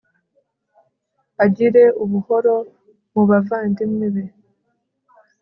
agire ubuhoro mu bavandimwe be